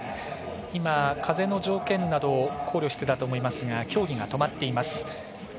今、風の条件などを考慮してだと思いますが競技が止まっています。